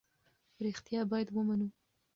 رښتیا باید ومنو.